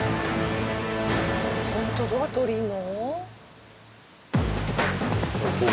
ホントどうやって下りるの？